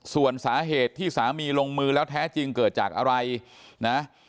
ส่วนสาเหตุที่สามีลงมือแล้วแท้จริงเกิดจากอะไรนะ